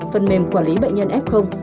phần mềm quản lý bệnh nhân f